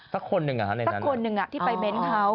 สักคนหนึ่งอ่ะในนั้นสักคนหนึ่งอ่ะที่ไปเม้นเขา